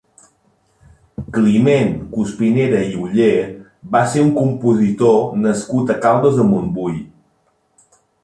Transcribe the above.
Climent Cuspinera i Oller va ser un compositor nascut a Caldes de Montbui.